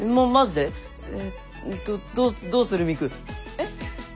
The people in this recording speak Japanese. えっ？